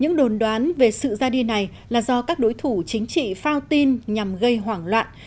những đồn đoán về sự ra đi này là do các đối thủ chính trị phao tin nhằm gây hoảng loạn